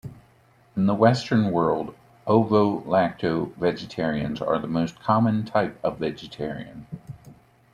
In the Western world, ovo-lacto vegetarians are the most common type of vegetarian.